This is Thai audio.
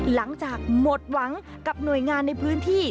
หลังจากหมดหวังกับหน่วยงานในพื้นที่